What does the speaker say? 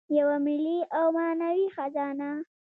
یوه ملي او معنوي خزانه.